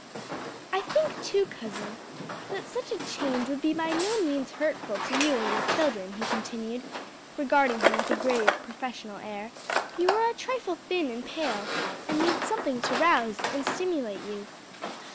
I think too, cousin, that such a change would be by no means hurtful to you or your children," he continued, regarding her with a grave, professional air: "you are a trifle thin and pale, and need something to rouse and stimulate you."